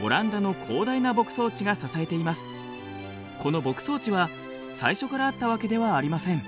この牧草地は最初からあったわけではありません。